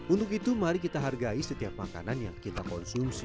untuk itu mari kita hargai setiap makanan yang kita konsumsi